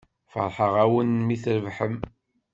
Feṛḥeɣ-awen mi trebḥem.